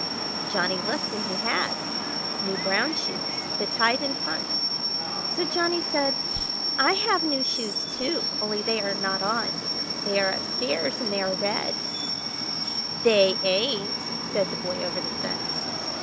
Johnny looked, and he had; new brown shoes, that tied in front. So Johnny said: "I have new shoes too, only they are not on; they are up stairs, and they are red." "They ain't!" said the Boy Over the Fence.